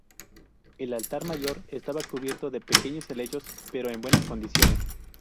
El altar mayor estaba cubierto de pequeños helechos, pero en buenas condiciones.